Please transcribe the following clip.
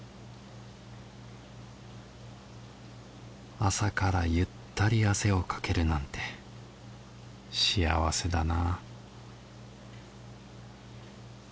朝からゆったり汗をかけるなんて幸せだな